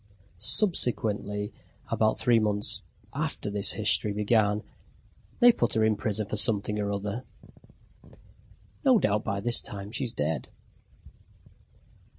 Subsequently, about three months after this history began, they put her in prison for something or other. No doubt by this time she is dead.